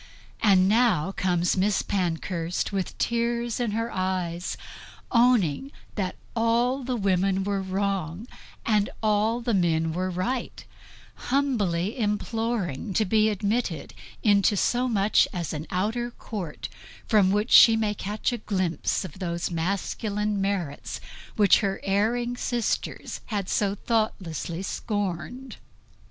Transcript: And now comes Miss Pankhurst with tears in her eyes, owning that all the women were wrong and all the men were right; humbly imploring to be admitted into so much as an outer court, from which she may catch a glimpse of those masculine merits which her erring sisters had so thoughtlessly scorned.